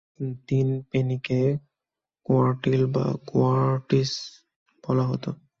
তিন-পেনিকে "কোয়ার্টিল" বা "কোয়ার্টিস" বলা হতো।